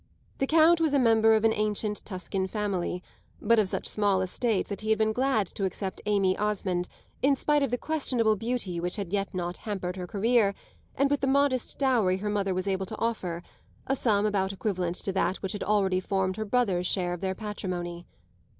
The Count was a member of an ancient Tuscan family, but of such small estate that he had been glad to accept Amy Osmond, in spite of the questionable beauty which had yet not hampered her career, with the modest dowry her mother was able to offer a sum about equivalent to that which had already formed her brother's share of their patrimony.